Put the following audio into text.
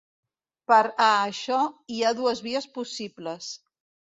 Per a això hi ha dues vies possibles.